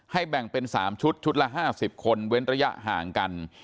ให้แบ่งเป็นสามชุดชุดละห้าสิบคนเว้นระยะห่างกัน